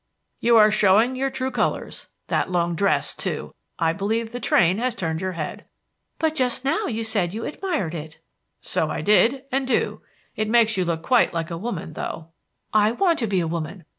"You are showing your true colors. That long dress, too! I believe the train has turned your head." "But just now you said you admired it." "So I did, and do. It makes you look quite like a woman, though." "I want to be a woman.